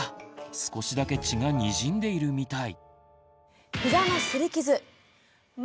少しだけ血がにじんでいるみたい。